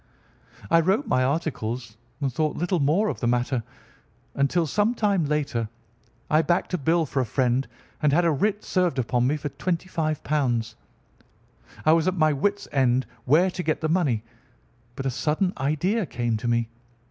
"I wrote my articles and thought little more of the matter until, some time later, I backed a bill for a friend and had a writ served upon me for £ 25. I was at my wit's end where to get the money, but a sudden idea came to me.